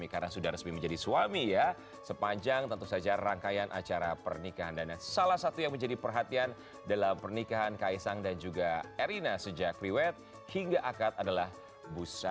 karena memang tahu sendiri beliau harus